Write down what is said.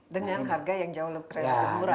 dengan harga yang jauh lebih murah